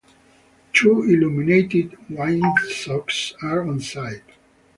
Two illuminated windsocks are on site.